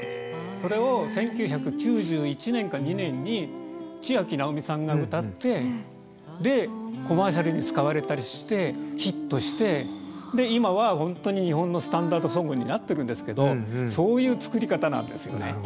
それを１９９１年か２年にちあきなおみさんが歌ってでコマーシャルに使われたりしてヒットしてで今は本当に日本のスタンダード・ソングになってるんですけどそういう作り方なんですよね。